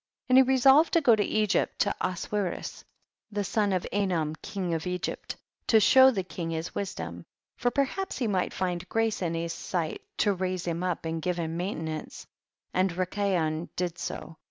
2. And he resolved to go to Egypt, to Oswiris the son of Anom king of Egypt, to show the king his wisdom; for perhaps he might find grace in his sight, to raise him up and give him maintenance ; and Rikayon did so.